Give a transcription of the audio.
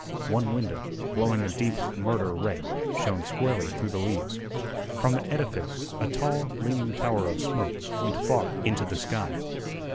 One window, glowing a deep murder red, shone squarely through the leaves. From the edifice a tall leaning tower of smoke went far into the sky.